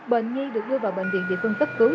bệnh nhi được đưa vào bệnh viện địa phương cấp cứu